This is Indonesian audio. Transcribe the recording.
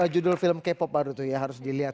judul film k pop baru tuh ya harus dilihat